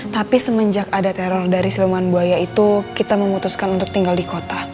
tapi semenjak ada teror dari siluman buaya itu kita memutuskan untuk tinggal di kota